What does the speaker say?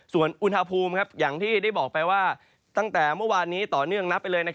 ส่วนอุณหภูมิอย่างที่ได้บอกไปว่าตั้งแต่เมื่อวานนี้ต่อเนื่องนับไปเลย